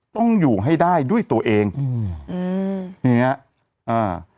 ต้องอยู่ให้ได้ด้วยตัวเองอืมอืมอย่างเงี้ยอ่า